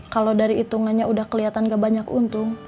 kalau dari hitungannya udah kelihatan gak banyak untung